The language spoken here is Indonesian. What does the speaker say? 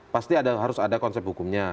pasti harus ada konsep hukumnya